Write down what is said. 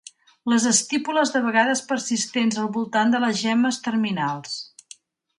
Les estípules de vegades persistents al voltant de les gemmes terminals.